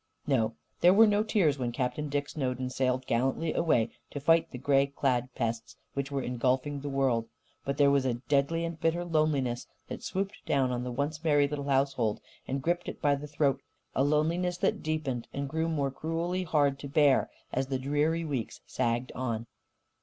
No, there were no tears when Captain Dick Snowden sailed gallantly away to fight the grey clad pests which were engulfing the world. But there was a deadly and bitter loneliness that swooped down on the once merry little household and gripped it by the throat a loneliness that deepened and grew more cruelly hard to bear as the dreary weeks sagged on.